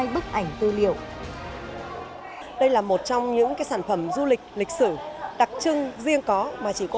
hai trăm linh hai bức ảnh tư liệu đây là một trong những cái sản phẩm du lịch lịch sử đặc trưng riêng có mà chỉ có